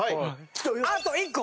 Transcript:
あと１個！